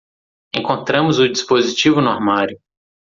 Encontramos o dispositivo no armário.